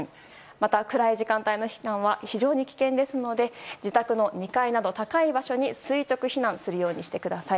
また、暗い時間帯の避難は非常に危険ですので自宅の２階など高い場所に垂直避難するようにしてください。